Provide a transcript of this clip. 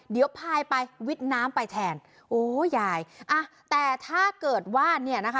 เดี๋ยวพายไปวิทย์น้ำไปแทนโอ้ยายอ่ะแต่ถ้าเกิดว่าเนี่ยนะคะ